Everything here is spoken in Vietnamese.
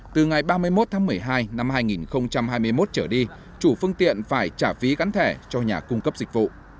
từ ngày ba mươi một tháng một mươi hai năm hai nghìn hai mươi một trở đi chủ phương tiện phải trả phí gắn thẻ cho nhà cung cấp dịch vụ